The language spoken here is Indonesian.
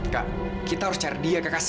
kak kak kak kakak